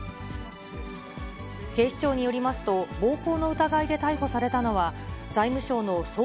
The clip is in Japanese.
警視庁によりますと、暴行の疑いで逮捕されたのは、財務省の総括